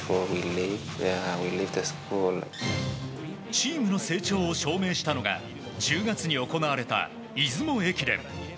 チームの成長を証明したのが１０月に行われた出雲駅伝。